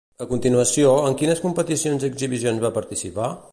A continuació, en quines competicions i exhibicions va participar?